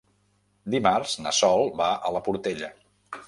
Dimarts na Sol va a la Portella.